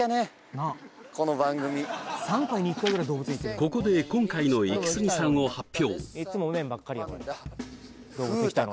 ここで今回のイキスギさんを発表